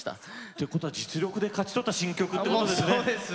ということは実力で勝ち取った新曲ということですね。